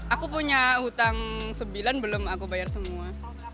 aku punya hutang sembilan belum aku bayar semua